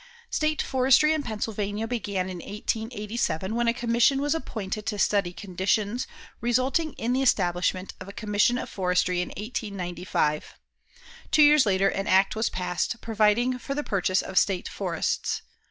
State forestry in Pennsylvania began in 1887, when a commission was appointed to study conditions, resulting in the establishment of a Commission of Forestry in 1895. Two years later, an act was passed providing for the purchase of state forests.